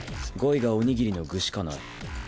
語彙がおにぎりの具しかない。